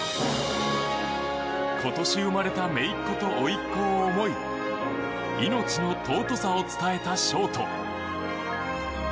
今年生まれためいっ子とおいっ子を思い命の尊さを伝えたショート。